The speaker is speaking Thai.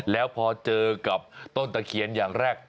แล้วพอเจอกับต้นตะเคียนอย่างแรก